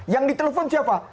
yang di telepon siapa